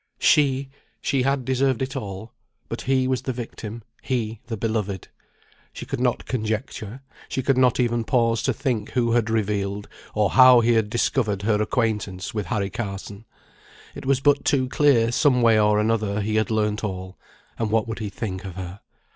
She she had deserved it all; but he was the victim, he, the beloved. She could not conjecture, she could not even pause to think who had revealed, or how he had discovered her acquaintance with Harry Carson. It was but too clear, some way or another, he had learnt all; and what would he think of her?